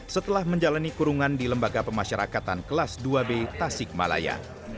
setelah menjalani kurungan di lembaga pemasyarakatan kelas dua b tasik malaya